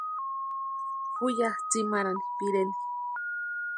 Ju ya tsimarhani pireni.